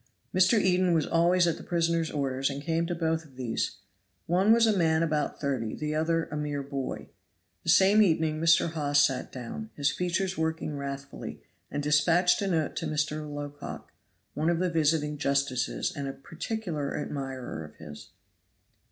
Mr. Eden was always at the prisoners' orders and came to both of these; one was a man about thirty, the other a mere boy. The same evening Mr. Hawes sat down, his features working wrathfully, and dispatched a note to Mr. Locock, one of the visiting justices and a particular admirer of his.